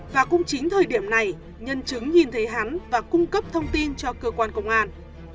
và cũng chính thời điểm này nhân chứng nhìn thấy hắn và cung cấp thông tin cho cơ quan công an